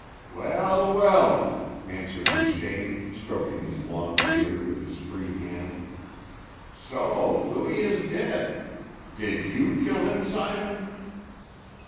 "Well, well!" answered Duchaine, stroking his long beard with his free hand. "So Louis is dead! Did you kill him, Simon?"